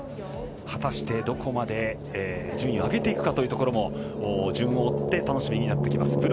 果たしてどこまで順位を上げてくるかというのも順を追って楽しみになってきます。